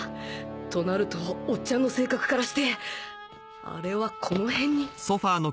となるとおっちゃんの性格からしてあれはこの辺に